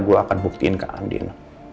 gue akan buktiin ke andina